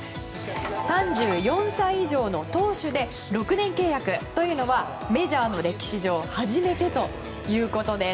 ３４歳以上の投手で６年契約はメジャーの歴史上初めてということです。